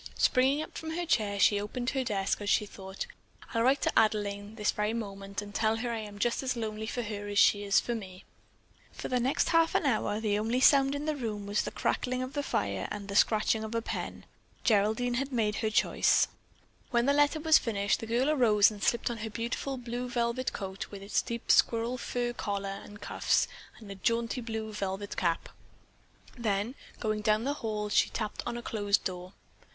Springing up from her chair, she opened her desk as she thought, "I'll write to Adelaine this very moment and tell her that I am just as lonely for her as she is for me." For the next half hour, the only sound in the room was the crackling of the fire and the scratching of the pen. Geraldine had made her choice. When the letter was finished, the girl arose and slipped on her beautiful blue velvet coat with its deep squirrel fur collar and cuffs and a jaunty blue velvet cap. Then, going down the hall, she tapped on a closed door.